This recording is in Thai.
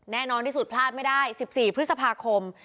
แน่นอนที่สุดพลาดไม่ได้๑๔พฤษภาคม